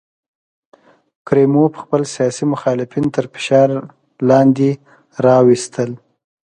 کریموف خپل سیاسي مخالفین تر فشار لاندې راوستل.